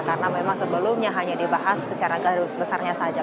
karena memang sebelumnya hanya dibahas secara garis besarnya saja